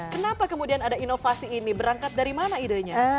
kenapa kemudian ada inovasi ini berangkat dari mana idenya